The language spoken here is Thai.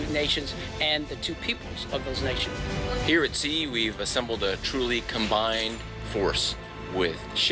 ในเมืองนี้เรานำไปพลังครุ่มของทุกฤษ